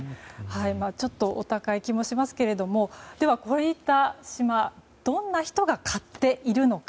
ちょっとお高い気もしますけれどもこういった島どんな人が買っているのか。